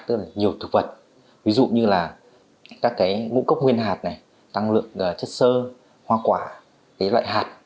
tức là nhiều thực vật ví dụ như là các ngũ cốc nguyên hạt tăng lượng chất sơ hoa quả loại hạt